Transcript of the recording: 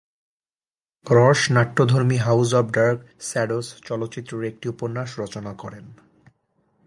রস নাট্যধর্মী "house of dark shadows" চলচ্চিত্রের একটি উপন্যাস রচনা করেন।